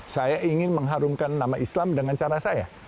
saya ingin mengharumkan nama islam dengan cara saya